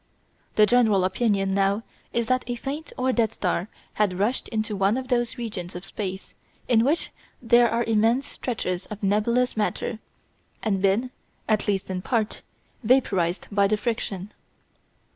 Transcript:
The general opinion now is that a faint or dead star had rushed into one of those regions of space in which there are immense stretches of nebulous matter, and been (at least in part) vaporised by the friction.